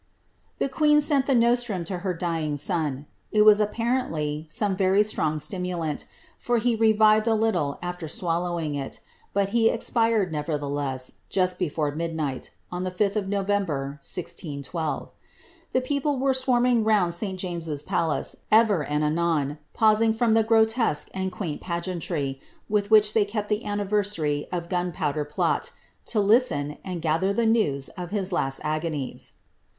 The queen sent the nostrum to her dying son; it was apparently foiiie very strong slimiilaiil, for he revivtd a lilllc after swallowing il, hui lio expired, nevertheless, just before midniglii, on the 5ih of Jiovtnibtt. 1612. The people were swarming round St. James's Palace, evi r ami anon pausing from the grotesque and quaint pai,'eanlrv, with which iIilv kept the anniversary of Gunpowder Plot, to listen, and ^ihcr the iii'u; of liis last agonies.